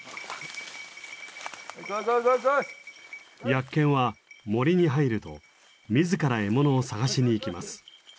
ヤッケンは森に入ると自ら獲物を探しに行きます。